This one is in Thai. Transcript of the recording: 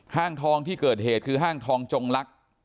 ทองที่เกิดเหตุคือห้างทองจงลักษณ์